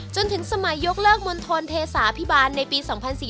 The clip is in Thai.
จนถึงสมัยยกเลิกมณฑลเทศาพิบาลในปี๒๔๔